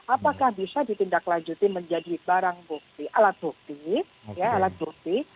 apakah bisa ditindaklanjuti menjadi barang bukti alat bukti alat bukti